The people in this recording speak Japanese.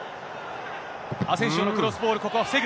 アセンシオのクロスボール、ここは防ぐ。